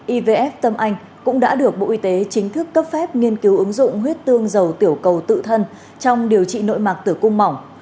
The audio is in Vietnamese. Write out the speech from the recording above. ivf tâm anh cũng đã được bộ y tế chính thức cấp phép nghiên cứu ứng dụng huyết tương dầu tiểu cầu tự thân trong điều trị nội mạch tử cung mỏng